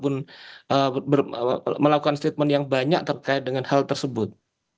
pun melakukan statement yang banyak terkait dengan hal tersebut